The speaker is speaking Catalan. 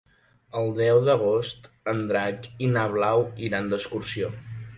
El deu d'agost en Drac i na Blau iran d'excursió.